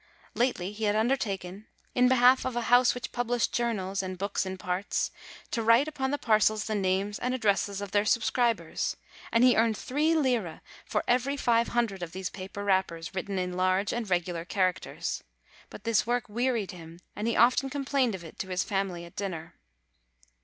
Lately, he had undertaken, in behalf of a house which published journals and books in parts, to write upon the parcels the names and ad 72 DECEMBER dresses of their subscribers, and he earned three lire for every five hundred of these paper wrappers, writ ten in large and regular characters. But this work wearied him, and he often complained of it to his family at dinner.